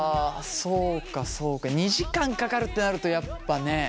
そうかそうか２時間かかるってなるとやっぱね。